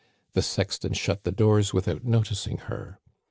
The sexton shut the doors without noticing her.